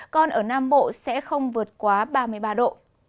còn ở nam bộ sẽ không vượt quá ba mươi ba độ